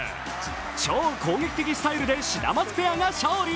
超攻撃的スタイルでシダマツペアが勝利。